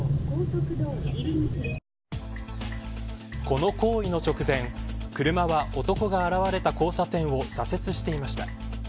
この行為の直前車は男が現れた交差点を左折していました。